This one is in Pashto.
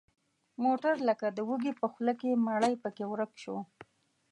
موټر لکه د وږي په خوله کې مړۍ پکې ورک شو.